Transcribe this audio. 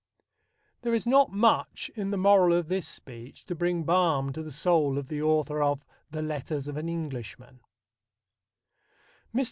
There is not much in the moral of this speech to bring balm to the soul of the author of the Letters of an Englishman. Mr.